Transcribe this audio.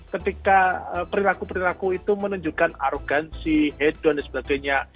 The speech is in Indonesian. ketika perilaku perilaku itu menunjukkan arogansi head down dan sebagainya